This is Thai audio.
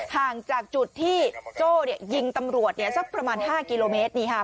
ห่างจากจุดที่โจ้เนี่ยยิงตำรวจเนี่ยสักประมาณ๕กิโลเมตรนี่ค่ะ